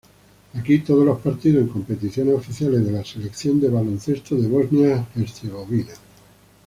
Aquí, todos los partidos en competiciones oficiales de la Selección de baloncesto de Bosnia-Herzegovina.